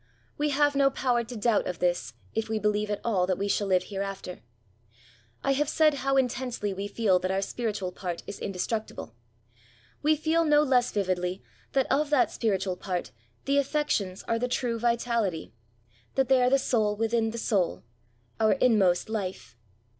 We have no power to doubt of this, if we believe at all that we shall live hereafter. I have said how intensely we g2 124 ESSAYS, feel that our spiritual part is indestructible. We feel no less vividly that of that spiritual part the affections are the true vitality ; that they are the soul within the soul — our inmost life.